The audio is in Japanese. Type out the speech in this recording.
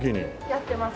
やってます。